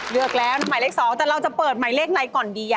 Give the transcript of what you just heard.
เลือกแล้วหมายเลข๒แต่เราจะเปิดหมายเลขไหนก่อนดี